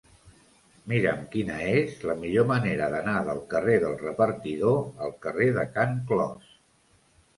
Mira'm quina és la millor manera d'anar del carrer del Repartidor al carrer de Can Clos.